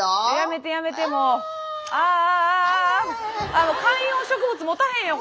あもう観葉植物もたへんよ